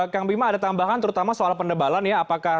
kang bima ada tambahan terutama soal penebalan ya